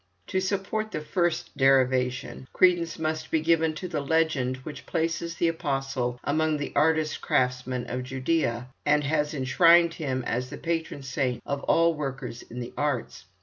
To support the first derivation, credence must be given to the legend which places the apostle among the artist craftsmen of Judæa, and has enshrined him as the patron saint of all workers in the arts.